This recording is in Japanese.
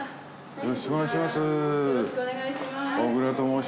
よろしくお願いします。